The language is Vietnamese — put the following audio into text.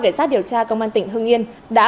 kể sát điều tra công an tỉnh hương yên đã